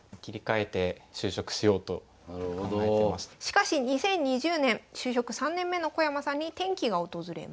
しかし２０２０年就職３年目の小山さんに転機が訪れます。